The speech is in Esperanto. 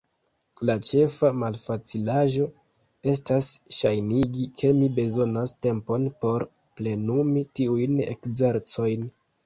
La ĉefa malfacilaĵo estas ŝajnigi ke mi bezonas tempon por plenumi tiujn ekzercojn.